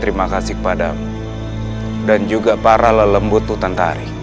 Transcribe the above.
terima kasih kepadamu dan juga para lelembut tuntarik